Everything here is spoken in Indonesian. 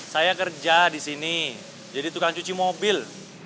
saya kerja di sini jadi tukang cuci mobil